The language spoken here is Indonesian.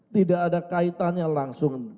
tidak ada kaitannya langsung